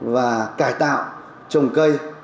và cải tạo trồng cây